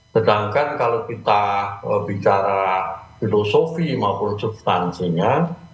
sedangkan kalau kita bicara filosofi maupun substansinya